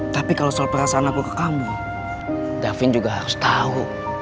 tapi kalau soal perasaan aku ke kamu davin juga harus tahu